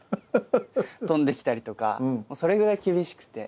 飛んできたりとかそれぐらい厳しくて。